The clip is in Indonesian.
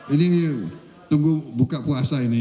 ini tunggu buka puasa ini